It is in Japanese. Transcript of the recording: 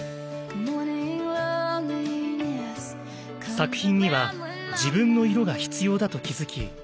作品には自分の色が必要だと気付き